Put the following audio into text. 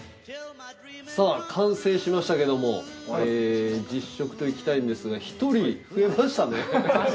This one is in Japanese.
さぁ完成しましたけども実食といきたいんですが１人増えましたね。